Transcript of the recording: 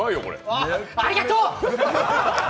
あっ、ありがとう！